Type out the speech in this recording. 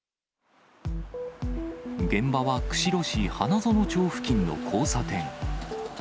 現場は釧路市花園町付近の交差点。